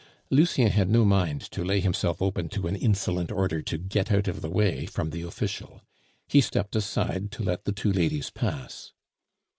Lucien had no mind to lay himself open to an insolent order to get out of the way from the official. He stepped aside to let the two ladies pass.